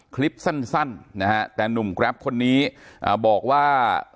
คลิปสั้นนะฮะแต่หนุ่มแกรปคนนี้บอกว่า